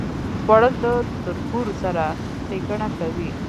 خوړل د تربور سره ښېګڼه کوي